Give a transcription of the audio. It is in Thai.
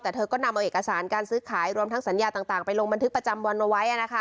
แต่เธอก็นำเอาเอกสารการซื้อขายรวมทั้งสัญญาต่างไปลงบันทึกประจำวันเอาไว้